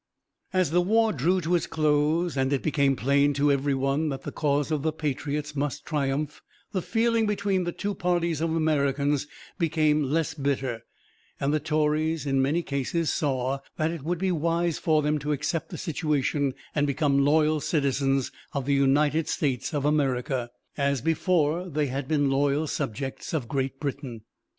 As the war drew to its close and it became plain to every one that the cause of the patriots must triumph, the feeling between the two parties of Americans became less bitter; and the Tories, in many cases, saw that it would be wise for them to accept the situation, and become loyal citizens of the United States of America, as before they had been loyal subjects of Great Britain.